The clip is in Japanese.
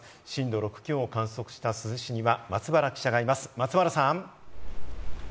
震度６強を観測した珠洲市には松原記者がいます、松原さん！